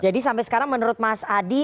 jadi sampai sekarang menurut mas adi